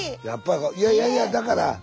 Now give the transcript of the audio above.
やっぱりいやいやいやだから。